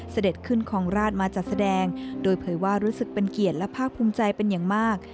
เสด็จขึ้นคลองราชมาจัดแสดงโดยเผยว่ารู้สึกเป็นเกียรติและภาคภูมิใจเป็นอย่างมาก